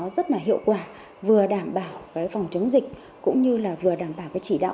rất hiệu quả vừa đảm bảo phòng chống dịch vừa đảm bảo chỉ đạo